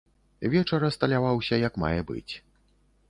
Вечар асталяваўся як мае быць.